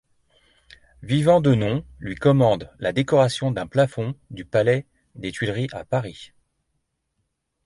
Vivant Denon lui commande la décoration d'un plafond du palais des Tuileries à Paris.